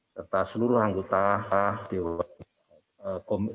serta seluruh anggota dewan komisi sebelas dpr ri